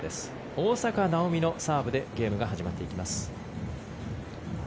大坂なおみのサーブでゲームが始まっていきます。